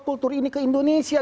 kultur ini ke indonesia